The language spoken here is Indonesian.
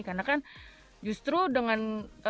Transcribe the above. karena kan justru dengan